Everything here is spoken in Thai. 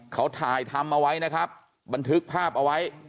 เขาถ่ายทำเอาไว้นะครับบันทึกภาพเอาไว้